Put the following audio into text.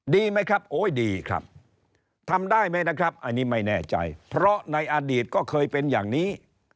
ดีไหมครับโอ้ยดีครับทำได้ไหมนะครับอันนี้ไม่แน่ใจเพราะในอดีตก็เคยเป็นอย่างนี้